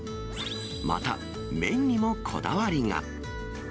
また、麺にもこだわりが。